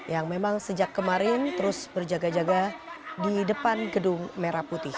yang memang sejak kemarin terus berjaga jaga di depan gedung merah putih